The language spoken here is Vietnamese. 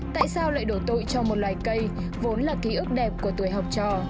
tại sao lại đổ tội cho một loài cây vốn là ký ức đẹp của tuổi học trò